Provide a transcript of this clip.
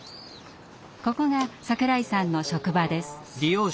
ここが櫻井さんの職場です。